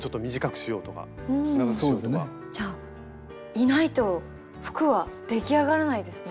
いないと服は出来上がらないですね。